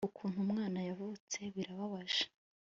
Ukuntu umwana yavutse birababaje